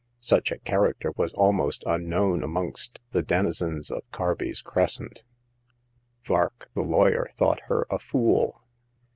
Such a charac ter was almost unknown amongst the denizens of Carby's Crescent. Vark, the lawyer, thought her a fool.